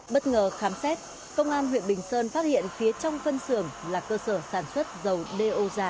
bất ngờ khám xét công an huyện bình sơn phát hiện phía trong phân xưởng là cơ sở sản xuất dầu do